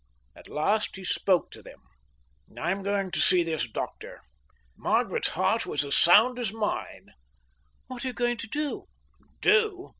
At last he spoke to them. "I'm going to see this doctor. Margaret's heart was as sound as mine." "What are you going to do?" "Do?"